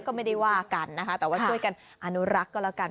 ก็ไม่ได้ว่ากันนะคะแต่ว่าช่วยกันอนุรักษ์ก็แล้วกัน